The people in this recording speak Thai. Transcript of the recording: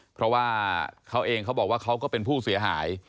เพราะว่าเขาเองเขาบอกว่าเขาก็เป็นผู้เสียหาย